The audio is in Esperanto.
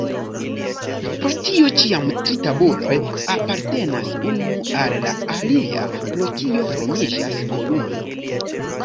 Pro tio ĉiam tri tabuloj apartenas unu al la alia, pro kio formiĝas kolumno.